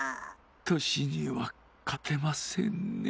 としにはかてませんね。